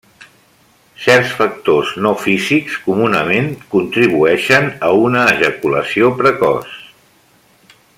Certs factors no físics comunament contribueixen a una ejaculació precoç.